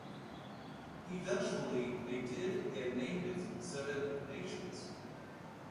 Eventually they did and named it Seven Nations.